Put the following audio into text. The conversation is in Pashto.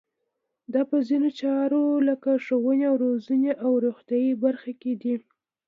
دا په ځینو چارو لکه ښوونې او روزنې او روغتیایي برخه کې دي.